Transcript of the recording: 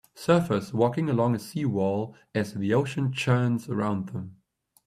Surfers walking along a seawall as the ocean churns around them.